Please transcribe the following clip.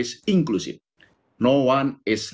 balasan dan inklusi yang kuat berkelanjutan dan berkelanjutan